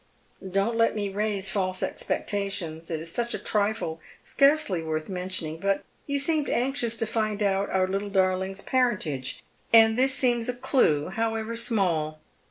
" Don't let me raise false expectations. It is such a trifle, scarcely worth mentioning, but you seemed anxious to find out our little darling's parentage, and this seems a clue, however small."